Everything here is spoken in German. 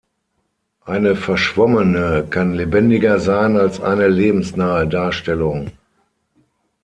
Eine verschwommene kann lebendiger sein als eine lebensnahe Darstellung.